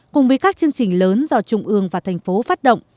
cùng với các chương trình lớn do trung ương và thành phố phát động